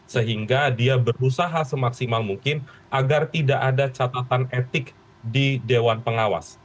sehingga dia berusaha semaksimal mungkin agar tidak ada catatan etik di dewan pengawas